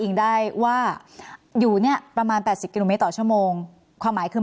อิงได้ว่าอยู่เนี่ยประมาณแปดสิบกิโลเมตรต่อชั่วโมงความหมายคือ